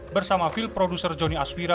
bersama film produser jonny aswira